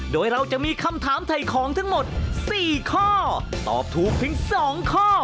โดยเราจะมีคำถามถ่ายของทั้งหมด๔ข้อตอบถูกเพียง๒ข้อ